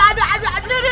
aduh aduh aduh